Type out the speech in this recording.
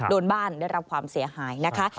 โดนบ้านได้รับความเสียหายนะคะ